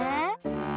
うん！